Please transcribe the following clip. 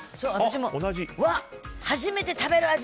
初めて食べる味！